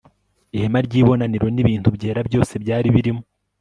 ihema ry'ibonaniro n'ibintu byera byose byari birimo